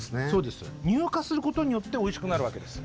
乳化することによっておいしくなるわけです。